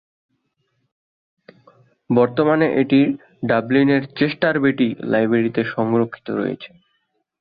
বর্তমানে এটি ডাবলিনের চেস্টার বেটি লাইব্রেরিতে রক্ষিত।